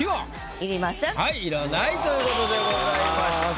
いらないということでございました。